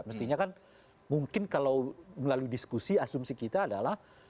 mestinya kan mungkin kalau melalui diskusi asumsi kita adalah